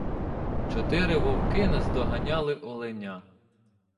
Чотири вовки наздоганяли оленя.